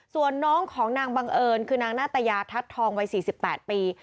ส่วนน้องของนางบังเอิญคือนางนาตยาทัศน์ทองวัย๔๘ปี